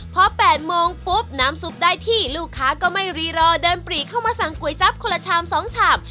พอ๘โมงปุ๊บน้ำซุปได้ที่ลูกค้าก็ไม่รีรอเดินปรีเข้ามาสั่งก๋วยจั๊บคนละชาม๒ชาม